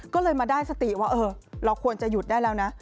ก็เลยมาได้สติว่าเออเราควรจะหยุดได้แล้วนะ